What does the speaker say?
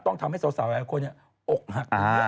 ต้องทำให้สาวแห่งคนอกหักเยอะเลยล่ะ